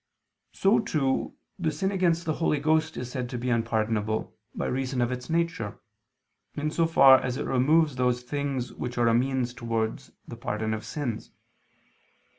So too, the sin against the Holy Ghost is said to be unpardonable, by reason of its nature, in so far as it removes those things which are a means towards the pardon of sins.